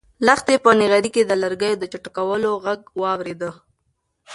لښتې په نغري کې د لرګیو د چټکولو غږ اورېده.